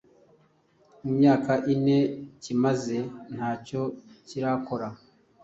mu myaka ine kimaze ntacyo kirakora